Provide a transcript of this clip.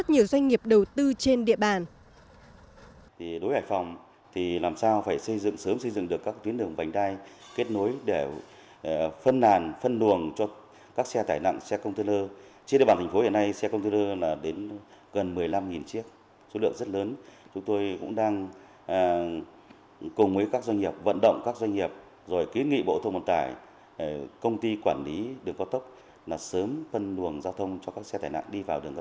thu hút rất nhiều doanh nghiệp đầu tư trên địa bàn